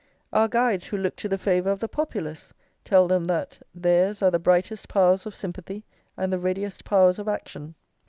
Our guides who look to the favour of the Populace, tell them that "theirs are the brightest powers of sympathy, and the readiest powers of action."